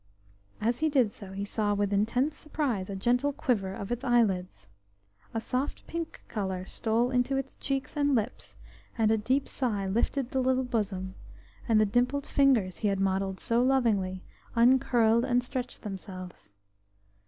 As he did so he saw with intense surprise a gentle quiver of its eyelids. A soft pink colour stole into its cheeks and lips; a deep sigh lifted the little bosom, and the dimpled fingers he had modelled so lovingly uncurled and stretched themselves.